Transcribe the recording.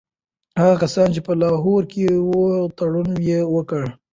هغه کسان چي په لاهور کي وو تړون یې وکړ.